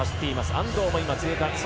安藤も通過。